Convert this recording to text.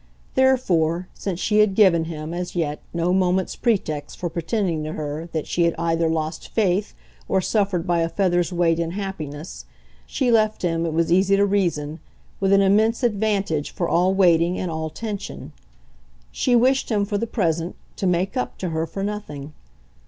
Therefore, since she had given him, as yet, no moment's pretext for pretending to her that she had either lost faith or suffered by a feather's weight in happiness, she left him, it was easy to reason, with an immense advantage for all waiting and all tension. She wished him, for the present, to "make up" to her for nothing.